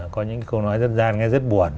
có những câu nói dân gian nghe rất buồn